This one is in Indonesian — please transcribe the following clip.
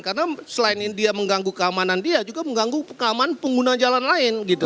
karena selain ini dia mengganggu keamanan dia juga mengganggu keamanan pengguna jalan lain gitu